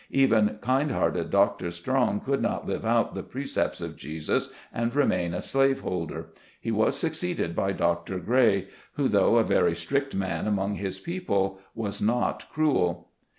Even kind hearted Dr. Strong could not live out the pre cepts of Jesus and remain a slave holder. He was succeeded by Dr. Gray, who, though a very strict man among his people, was not cruel.